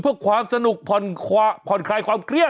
เพื่อความสนุกพนไฆความเครียด